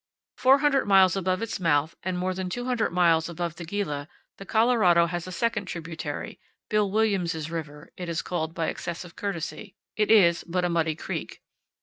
Four hundred miles above its mouth and more than two hundred miles above the Gila, the Colorado has a second tributary "Bill Williams' River" it is called by excessive courtesy. It is but a muddy creek.